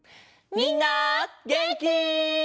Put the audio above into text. みんなげんき？